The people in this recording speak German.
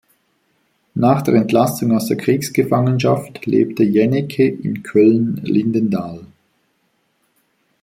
Nach der Entlassung aus der Kriegsgefangenschaft lebte Jaenecke in Köln-Lindenthal.